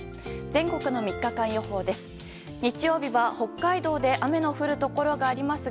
全国の３日間予報です。